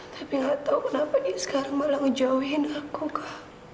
tapi gak tahu kenapa dia sekarang malah ngejauhin aku kak